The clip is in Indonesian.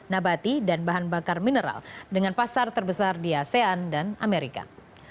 nabati dan bahan bakar mineral dengan pasar terbesar di asean dan amerika